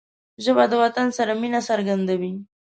ژبه د وطن سره مینه څرګندوي